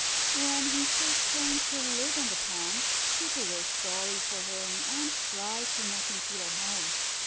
When he first came to live in the pond, people were sorry for him, and tried to make him feel at home.